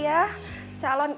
tidak ada apa apa